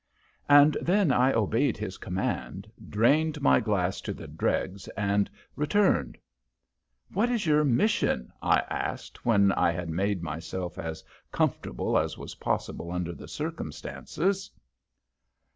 And then I obeyed his command, drained my glass to the dregs, and returned. "What is your mission?" I asked, when I had made myself as comfortable as was possible under the circumstances.